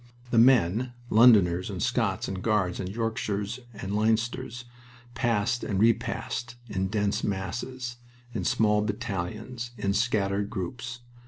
The men, Londoners, and Scots, and Guards, and Yorkshires, and Leinsters, passed and repassed in dense masses, in small battalions, in scattered groups.